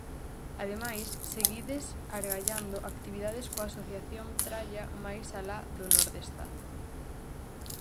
Ademais, seguides argallando actividades coa asociación Tralla máis alá do Nordestazo.